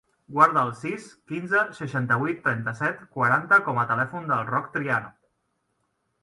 Guarda el sis, quinze, seixanta-vuit, trenta-set, quaranta com a telèfon del Roc Triano.